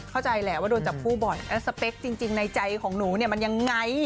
เข้าใจแหละว่าโดนจับผู้บ่อยสเปคจริงในใจของหนูมันยังไง